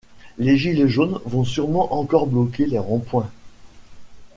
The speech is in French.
Les gilets jaunes vont surement encore bloquer les ronds points.